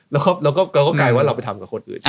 เราก็กลายว่าเราไปทำกับคนอื่น